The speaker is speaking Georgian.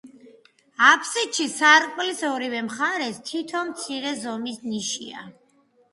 აბსიდში, სარკმლის ორივე მხარს, თითო მცირე ზომის ნიშია.